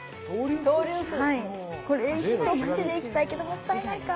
これ一口でいきたいけどもったいないか。